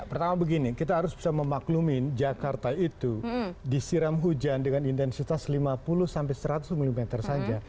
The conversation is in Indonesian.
pertama begini kita harus bisa memaklumin jakarta itu disiram hujan dengan intensitas lima puluh sampai seratus mm saja